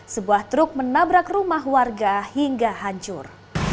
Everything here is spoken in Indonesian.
sebuah truk menabrak rumah warga hingga hancur